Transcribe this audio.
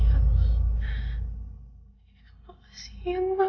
apa sih yang ma